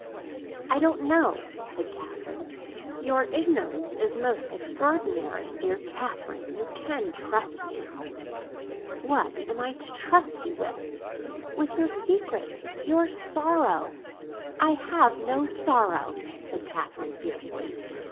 "I don't know!" said Catherine. "Your ignorance is most extraordinary! Dear Catherine, you can trust me." "What am I to trust you with?" "With your secret—your sorrow." "I have no sorrow!" said Catherine fiercely.